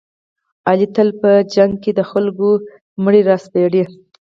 علي تل په شخړو کې د خلکو مړي را سپړي.